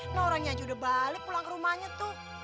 ini orangnya aja udah balik pulang ke rumahnya tuh